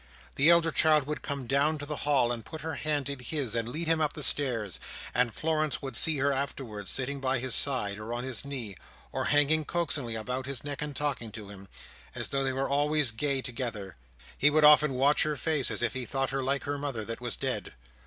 The elder child would come down to the hall, and put her hand in his, and lead him up the stairs; and Florence would see her afterwards sitting by his side, or on his knee, or hanging coaxingly about his neck and talking to him: and though they were always gay together, he would often watch her face as if he thought her like her mother that was dead.